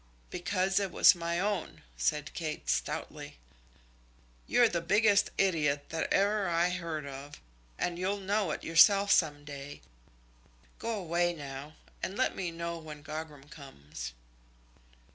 "Because it was my own," said Kate, stoutly. "You're the biggest idiot that ever I heard of, and you'll know it yourself some day. Go away now, and let me know when Gogram comes."